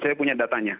saya punya datanya